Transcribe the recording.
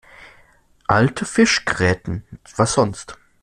Alte Fischgräten, was sonst?